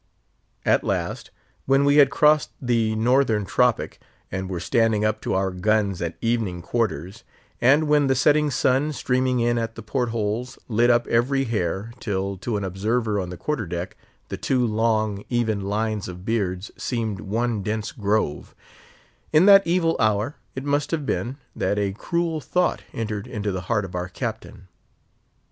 At last, when we had crossed the Northern Tropic, and were standing up to our guns at evening quarters, and when the setting sun, streaming in at the port holes, lit up every hair, till to an observer on the quarter deck, the two long, even lines of beards seemed one dense grove; in that evil hour it must have been, that a cruel thought entered into the heart of our Captain.